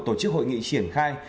tổ chức hội nghị triển khai